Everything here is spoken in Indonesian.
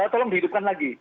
tolong dihidupkan lagi